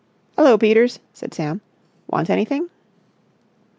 "Hullo, Peters," said Sam. "Want anything?"